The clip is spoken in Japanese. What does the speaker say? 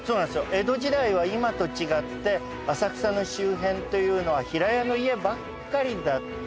江戸時代は今と違って浅草の周辺というのは平屋の家ばっかりだった。